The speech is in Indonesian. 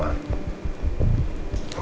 aku mau pergi